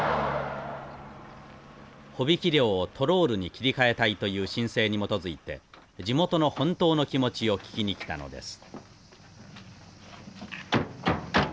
帆引き漁をトロールに切り替えたいという申請に基づいて地元の本当の気持ちを聞きに来たのです。